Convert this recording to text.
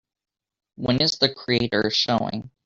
When is The Creators showing